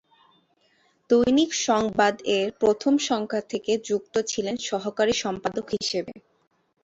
দৈনিক সংবাদ-এর প্রথম সংখ্যা থেকে যুক্ত ছিলেন সহকারী সম্পাদক হিসেবে।